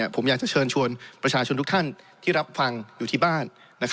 ผมอยากจะเชิญชวนประชาชนทุกท่านที่รับฟังอยู่ที่บ้าน